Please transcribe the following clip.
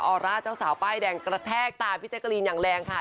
อร่าเจ้าสาวป้ายแดงกระแทกตาพี่แจ๊กรีนอย่างแรงค่ะ